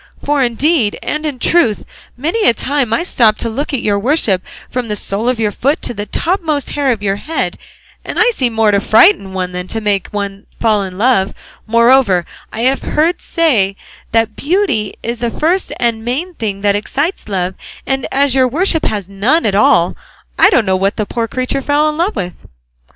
For indeed and in truth many a time I stop to look at your worship from the sole of your foot to the topmost hair of your head, and I see more to frighten one than to make one fall in love; moreover I have heard say that beauty is the first and main thing that excites love, and as your worship has none at all, I don't know what the poor creature fell in love with."